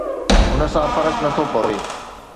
هن سان فرق نٿو پئي